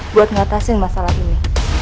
buat ngatasin masalah ini